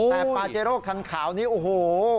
แต่ปาเจโร่คันขาวนี้โอ้โห